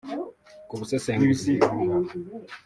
kubusesenguzi